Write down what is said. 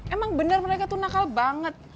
emang bener mereka tuh nakal banget